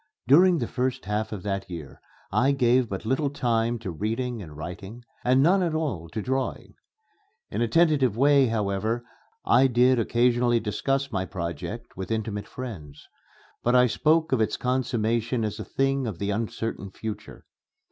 During the first half of that year I gave but little time to reading and writing, and none at all to drawing. In a tentative way, however, I did occasionally discuss my project with intimate friends; but I spoke of its consummation as a thing of the uncertain future.